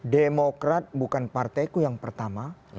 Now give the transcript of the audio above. demokrat bukan partai ku yang pertama